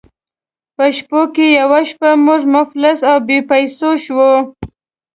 په شپو کې یوه شپه موږ مفلس او بې پیسو شوو.